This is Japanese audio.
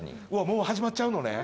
「もう始まっちゃうのね」